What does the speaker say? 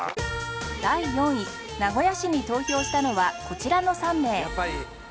第４位名古屋市に投票したのはこちらの３名